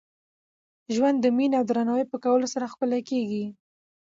ژوند د میني او درناوي په کولو سره ښکلی کېږي.